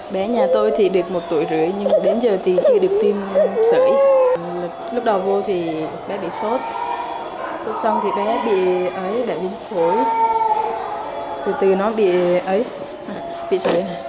bé nhà tôi thì được một tuổi rưỡi nhưng đến giờ thì chưa được tiêm sởi lúc đầu vô thì bé bị sốt sốt xong thì bé bị ấy đã bị phổi từ từ nó bị ấy bị sởi